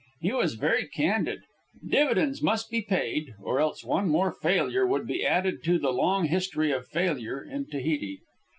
He was very candid. Dividends must be paid, or else one more failure would be added to the long history of failure in Tahiti.